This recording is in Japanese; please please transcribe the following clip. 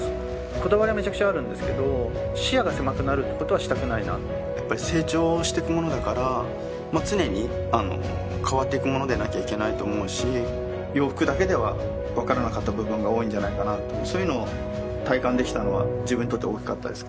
こだわりはめちゃくちゃあるんですけど視野が狭くなることはしたくないなやっぱり成長していくものだからまぁ常に変わっていくものでなきゃいけないと思うし洋服だけではわからなかった部分が多いんじゃないかなとそういうのを体感できたのは自分にとっては大きかったです